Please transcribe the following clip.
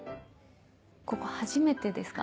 ここ初めてですか？